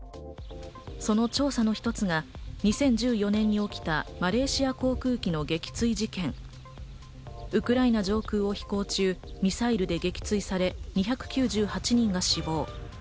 その調査の一つが２０１４年に起きたマレーシア航空機の撃墜事件、ウクライナ上空を飛行中、ミサイルで撃墜され２９８人が死亡。